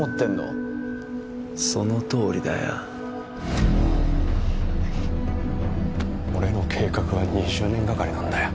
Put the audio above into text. そのとおりだよ。俺の計画は２０年がかりなんだよ。